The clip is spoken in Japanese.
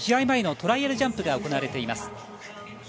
前のトライアルジャンプが行われています。